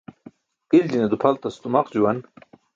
Iljine dupʰaltas tumaq juwan.